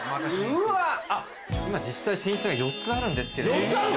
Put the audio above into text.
実際寝室が４つあるんですけど。